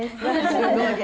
すごい。